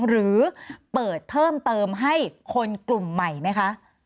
หรือเปิดเพิ่มเติมให้คนกลุ่มใหม่ไหมคะ